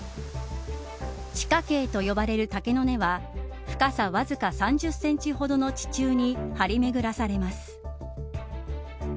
地下茎と呼ばれる竹の根は深さわずか３０センチほどの地中に張り巡らされます。